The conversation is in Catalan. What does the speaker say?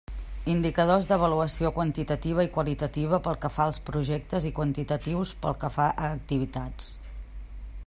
Indicadors d'avaluació quantitativa i qualitativa pel que fa als projectes i quantitatius pel que fa a activitats.